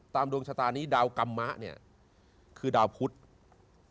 ดวงชะตานี้ดาวกรรมมะเนี่ยคือดาวพุทธ